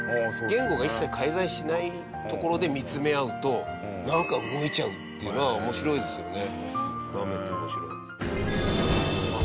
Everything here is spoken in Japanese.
言語が一切介在しないところで見つめ合うとなんか動いちゃうっていうのは面白いですよね。